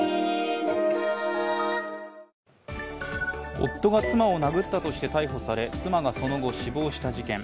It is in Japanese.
夫が妻を殴ったとして逮捕され、妻がその後、死亡した事件。